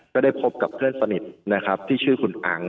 ก็ได้พบกับเพื่อนสนิทนะครับที่ชื่อคุณอัง